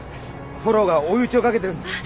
フォローが追い打ちをかけてるんですけど。